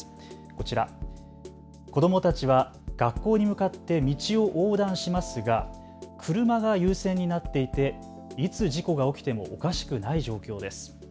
こちら、子どもたちは学校に向かって道を横断しますが車が優先になっていて、いつ事故が起きてもおかしくない状況です。